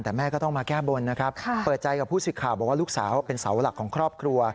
แต่แม่ก็ต้องมาแก้บนนะครับเปิดใจกับผู้สิทธิ์ข่าวบอกว่าลูกสาวเป็นเสาหลักของครอบครัว